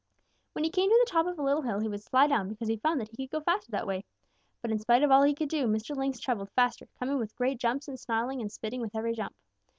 When he came to the top of a little hill, he would slide down, because he found that he could go faster that way. But in spite of all he could do, Mr. Lynx traveled faster, coming with great jumps and snarling and spitting with every jump.